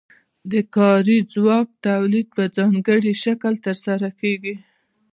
د کاري ځواک تولید په ځانګړي شکل ترسره کیږي.